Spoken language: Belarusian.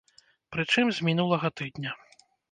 Прычым, з мінулага тыдня!